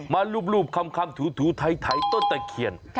มาลูบคำถูไถต้นแต่เขียน